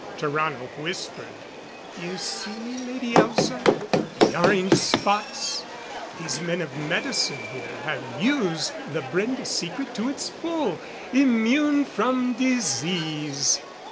Tarrano whispered: "You see, Lady Elza? The orange spots! These men of medicine here have used the Brende secret to its full. Immune from disease!"